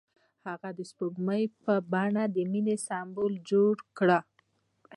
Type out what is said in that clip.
هغه د سپوږمۍ په بڼه د مینې سمبول جوړ کړ.